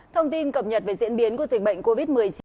thông tin cập nhật về diễn biến của dịch bệnh covid một mươi chín